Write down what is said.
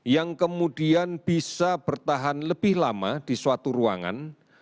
yang kemudian bisa bertahan lebih lama di suatu ruangan